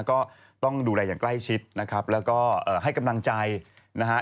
ก็ต้องดูแลอย่างใกล้ชิดนะครับแล้วก็ให้กำลังใจนะฮะ